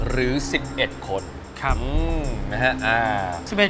หรือ๑๑คน